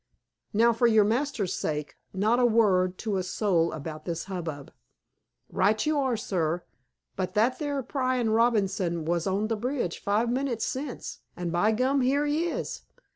"Now, for your master's sake, not a word to a soul about this hubbub." "Right you are, sir! But that there pryin' Robinson wur on t' bridge five minutes since. And, by gum, here he is!"